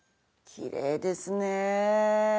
きれいですね。